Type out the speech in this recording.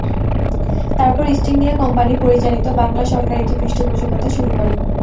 তারপর East India Company পরিচালিত বাংলা সরকার এটি পৃষ্ঠপোষকতা শুরু করে।